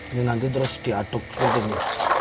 ini nanti terus diaduk seperti ini